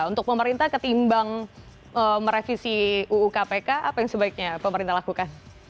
untuk pemerintah ketimbang merevisi uu kpk apa yang sebaiknya pemerintah lakukan